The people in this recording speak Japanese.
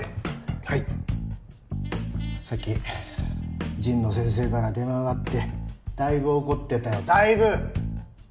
さっき神野先生から電話があってだいぶ怒ってたよだいぶ！